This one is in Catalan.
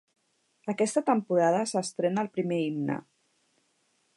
Aquesta temporada s'estrena el primer Himne.